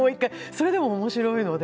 それでも面白いので。